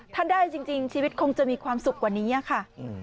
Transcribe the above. ถ้าได้จริงชีวิตคงจะมีความสุขกว่านี้ค่ะ